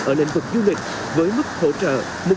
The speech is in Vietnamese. ở lĩnh vực du lịch với mức hỗ trợ